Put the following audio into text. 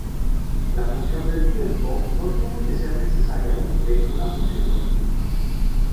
La función del tiempo no tiene que ser necesariamente una función continua.